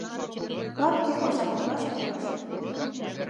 Лапке оза коклаш пурыш.